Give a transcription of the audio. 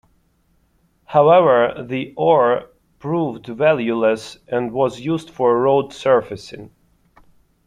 However, the ore proved valueless and was used for road surfacing.